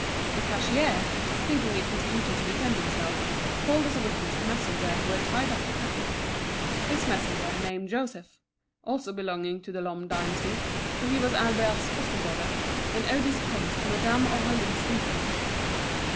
The cashier, thinking it his duty to defend himself, called as a witness the messenger who had tied up the packet. This messenger, named Joseph, also belonged to the Lhomme dynasty, for he was Albert's foster brother, and owed his place to Madame Aurélie's influence.